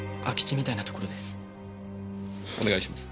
お願いします。